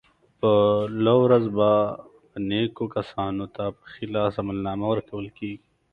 په لو ورځ به نېکو کسانو ته په ښي لاس عملنامه ورکول کېږي.